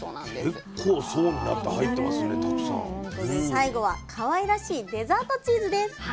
最後はかわいらしいデザートチーズです。